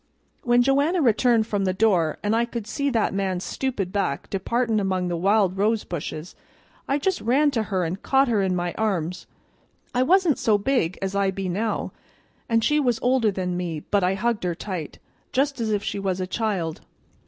"When Joanna returned from the door, an' I could see that man's stupid back departin' among the wild rose bushes, I just ran to her an' caught her in my arms. I wasn't so big as I be now, and she was older than me, but I hugged her tight, just as if she was a child.